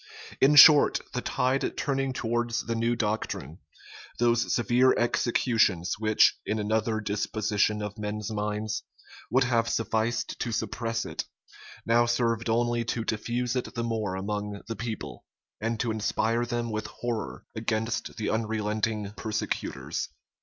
In short, the tide turning towards the new doctrine, those severe executions, which, in another disposition of men's minds, would have sufficed to suppress it, now served only to diffuse it the more among the people, and to inspire them with horror against the unrelenting persecutors.